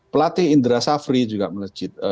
pelatih indra safri juga melejit